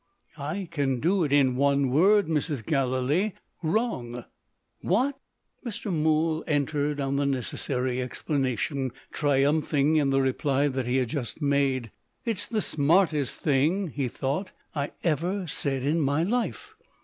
"I can do it in one word, Mrs. Gallilee. Wrong." "What!" Mr. Mool entered on the necessary explanation, triumphing in the reply that he had just made. "It's the smartest thing," he thought, "I ever said in my life."